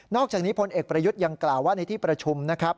อกจากนี้พลเอกประยุทธ์ยังกล่าวว่าในที่ประชุมนะครับ